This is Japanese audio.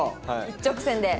一直線で！